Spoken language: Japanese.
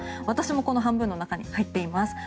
私もこの半分の中に入っています。